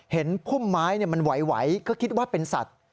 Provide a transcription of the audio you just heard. พุ่มไม้มันไหวก็คิดว่าเป็นสัตว์